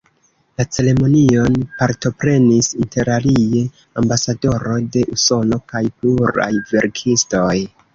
La ceremonion partoprenis interalie ambasadoro de Usono kaj pluraj verkistoj.